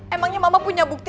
emangnya mama punya bukti